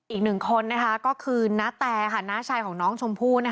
อีกหนึ่งคนก็คือนาแตน้าชายของน้องชมพู่